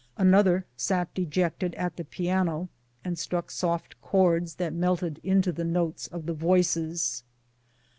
Another sat dejected at the piano, and struck soft chords that melted into the notes of the voices.